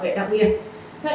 phải bảo vệ đặc biệt